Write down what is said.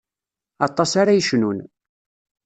Aṭas ara yecnun.